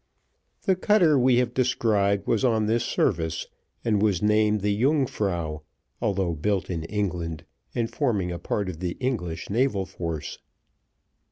The cutter we have described was on this service, and was named the Yungfrau, although built in England, and forming a part of the English naval force.